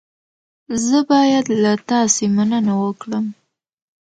زه باید له تاسې مننه وکړم.